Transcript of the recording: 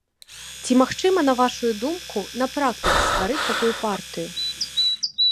Ці магчыма, на вашую думку, на практыцы стварыць такую партыю?